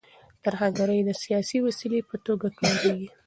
ترهګري د سیاسي وسیلې په توګه کارېږي.